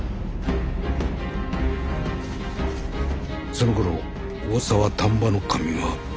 そのころ大沢丹波守は。